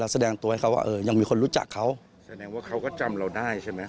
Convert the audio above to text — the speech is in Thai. แสดงว่าเขาก็จำเราได้ใช่ไหม